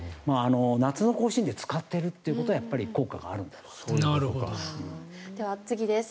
夏の甲子園で使っているということはやっぱり効果があるんだと思います。